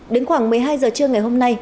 đến khoảng một mươi hai giờ trưa ngày hôm nay